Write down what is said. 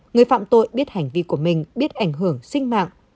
người phạm tội biết hành vi của mình biết ảnh hưởng sinh mạng